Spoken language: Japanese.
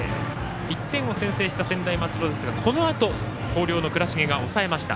１点を先制した専大松戸ですがこのあと広陵の倉重が抑えました。